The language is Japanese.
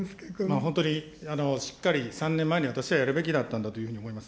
本当にしっかり３年前に私はやるべきだったんだと思います。